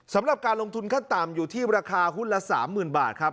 สำหรับการลงทุนขั้นต่ำอยู่ที่ราคาหุ้นละ๓๐๐๐บาทครับ